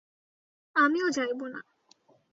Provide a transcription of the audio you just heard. আমিও যাইব না।